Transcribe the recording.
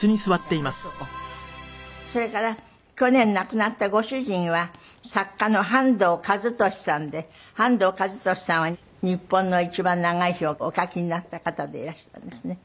それから去年亡くなったご主人は作家の半藤一利さんで半藤一利さんは『日本のいちばん長い日』をお書きになった方でいらしたんですね。